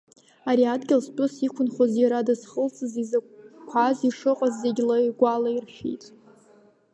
Ари адгьыл зтәыз, иқәынхоз, иара дызхылҵыз изакәқәаз, ишыҟаз зегь лаигәалаиршәеит.